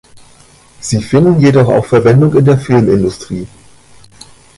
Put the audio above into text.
Sie finden jedoch auch Verwendung in der Filmindustrie.